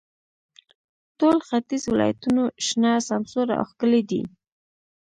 ټول ختیځ ولایتونو شنه، سمسور او ښکلي دي.